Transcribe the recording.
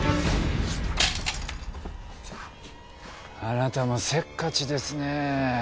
あなたもせっかちですねえ